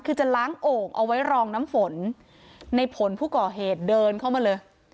คือจะล้างโอ่งเอาไว้รองน้ำฝนในผลผู้ก่อเหตุเดินเข้ามาเลย